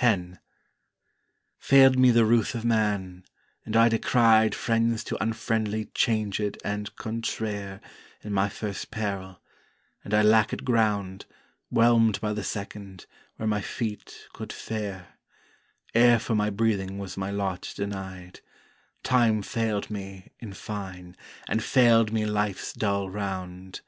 X Failed me the ruth of man, and I descried Friends to unfriendly changèd and contràyr, In my first peril; and I lackèd ground, Whelmed by the second, where my feet could fare; Air for my breathing was my lot denied, Time failed me, in fine, and failed me Life's dull round.